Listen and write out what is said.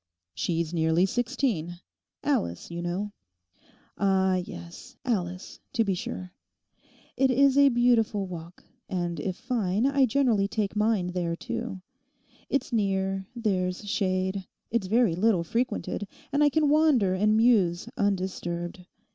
'She's nearly sixteen; Alice, you know.' 'Ah, yes, Alice; to be sure. It is a beautiful walk, and if fine, I generally take mine there too. It's near; there's shade; it's very little frequented; and I can wander and muse undisturbed.